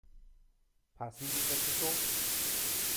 Passen die Sätze so?